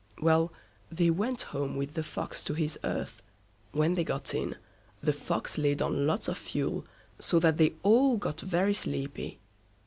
Well, they went home with the Fox to his earth, and when they got in, the Fox laid on lots of fuel, so that they all got very sleepy.